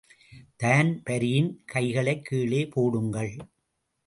தான்பரீன், கைகளைக் கீழே போடுங்கள்!